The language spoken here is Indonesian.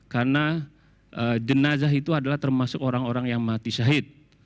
karena jenazah itu adalah termasuk orang orang yang mati syahid